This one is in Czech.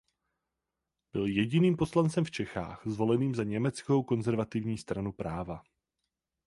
Byl jediným poslancem v Čechách zvoleným za německou konzervativní Stranu práva.